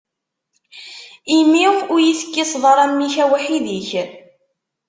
Imi ur yi-tekkiseḍ ara mmi-k, awḥid-ik.